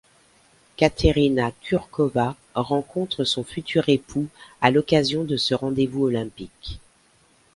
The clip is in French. Kateřina Kůrková rencontre son futur époux à l'occasion de ce rendez-vous olympique.